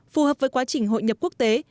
phù hợp với quá trình hội nhập quốc tế